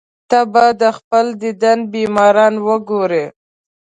ته به د خپل دیدن بیماران وګورې.